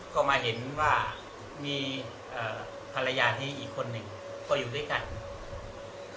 ฆ่ามาเห็นว่ามีภรรยาที่นี่อีกคนหนึ่ง